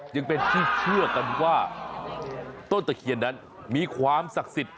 ยังเป็นที่เชื่อกันว่าต้นตะเคียนนั้นมีความศักดิ์สิทธิ์